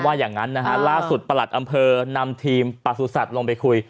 ว่าอย่างงั้นนะฮะล่าสุดประหลัดอำเภอนำทีมปะสูตรสัตว์ลงไปคุย